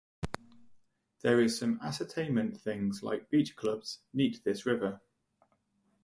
There is some ascertainment things like beach clubs neat this river.